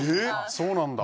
そうなんだ。